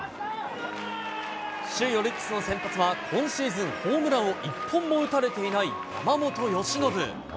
首位オリックスの先発は、今シーズンホームランを一本も打たれていない山本由伸。